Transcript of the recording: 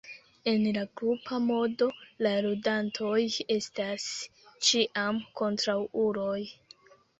En la grupa modo, la ludantoj estas ĉiam kontraŭuloj.